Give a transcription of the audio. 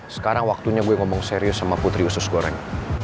sekarang waktunya gue ngomong serius sama putri usus goreng